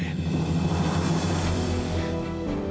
dewi pacaran lagi sama andre